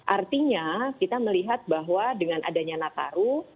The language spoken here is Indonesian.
artinya kita melihat bahwa dengan adanya nataru